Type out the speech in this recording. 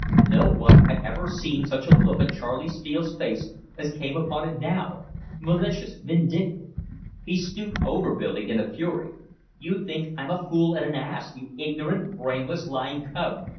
No one had ever seen such a look on Charley Steele's face as came upon it now malicious, vindictive. He stooped over Billy in a fury. "You think I'm a fool and an ass you ignorant, brainless, lying cub!